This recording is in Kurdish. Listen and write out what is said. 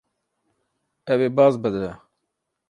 Ew ê baz bide.